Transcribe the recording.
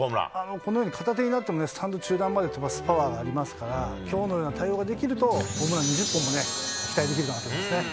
このように片手になっても、スタンド中段まで飛ばすパワーがありますから、きょうのような対応ができると、ホームラン２０本も期待できるかなと思いますね。